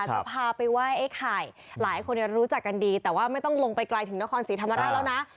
จะพาไปไหว้ไอ้ไข่หลายคนรู้จักกันดีแต่ว่าไม่ต้องลงไปไกลถึงนครศรีธรรมราชแล้วนะ